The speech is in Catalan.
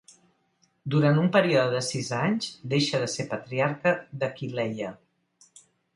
Durant un període de sis anys deixa de ser patriarca d'Aquileia.